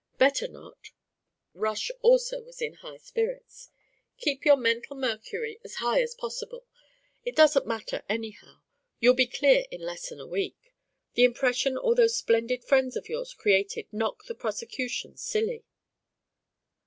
"Better not." Rush also was in high spirits. "Keep your mental mercury as high as possible. It doesn't matter, anyhow. You'll be clear in less than a week. The impression all those splendid friends of yours created knocked the prosecution silly."